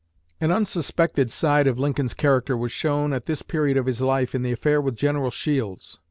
An unsuspected side of Lincoln's character was shown, at this period of his life, in the affair with General Shields.